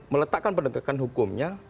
meletakkan pendekatan hukumnya